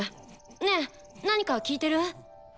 ねえ何か聞いてる？